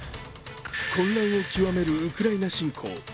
混乱を極めるウクライナ侵攻。